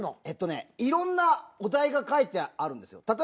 えっとねいろんなお題が書いてあるんですよ。